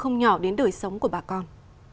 không nhỏ đến đời sống của bà con